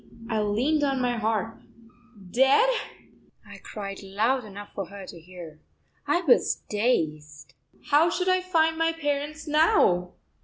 I leaned on my harp. "Dead!" I cried loud enough for her to hear. I was dazed. How should I find my parents now?